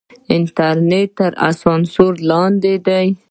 انټرنېټ تر سانسور لاندې دی.